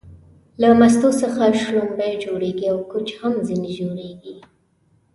له مستو څخه شلومبې جوړيږي او کوچ هم ځنې وځي